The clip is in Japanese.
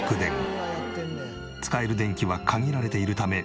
使える電気は限られているため。